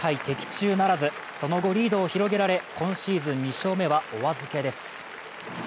的中ならず、その後リードを広げられ今シーズン２勝目はお預けです。